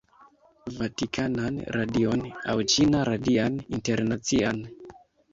Vatikanan Radion aŭ Ĉina Radian Internacian